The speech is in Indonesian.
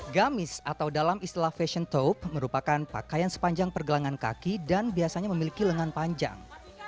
gamis atau dalam istilah fashion tope merupakan pakaian sepanjang pergelangan kaki dan biasanya memiliki lengan panjang